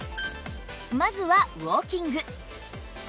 まずはウォーキング